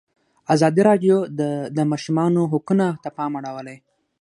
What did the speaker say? ازادي راډیو د د ماشومانو حقونه ته پام اړولی.